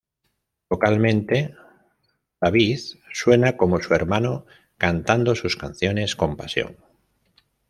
Vocalmente, David suena como su hermano cantando sus canciones con pasión.